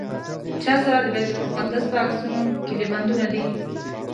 چا سره د بیت المقدس په عکسونو کیلي بندونه دي.